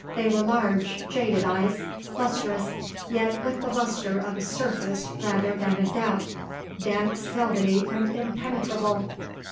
They were large, jaded eyes, lustrous, yet with the lustre of a surface rather than of depth; dense, velvety and impenetrable.